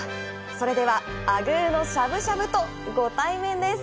それでは、あぐーのしゃぶしゃぶとご対面です！